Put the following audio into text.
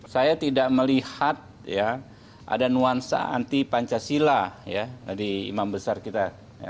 saya tidak melihat ada nuansa anti pancasila di imam besar kita